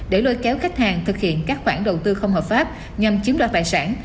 để lôi kéo khách hàng thực hiện các khoản đầu tư không hợp pháp nhằm chiếm đoạt tài sản